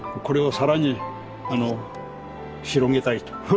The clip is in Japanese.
これを更に広げたいと。